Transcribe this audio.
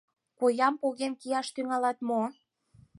Коям поген кияш тӱҥалат мо?